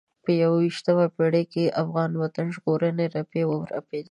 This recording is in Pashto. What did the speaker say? په یوه یشتمه پېړۍ کې د افغان وطن ژغورنې رپی ورپېده.